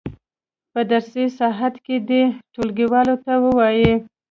په درسي ساعت کې دې ټولګیوالو ته ووایي.